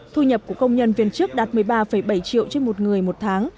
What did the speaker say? thu nhập của công nhân viên trước đạt một mươi ba bảy triệu trên một người một tháng